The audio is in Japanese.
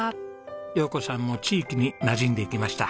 陽子さんも地域になじんでいきました。